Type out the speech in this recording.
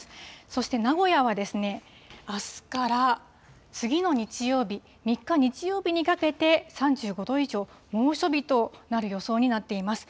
そして名古屋はですね、あすから次の日曜日、３日日曜日にかけて３５度以上、猛暑日となる予想になっています。